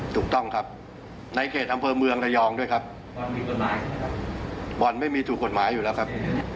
ถูกต้องครับในเขตอำเภอเมืองระยองด้วยครับบ่อนไม่มีถูกกฎหมายอยู่แล้วครับ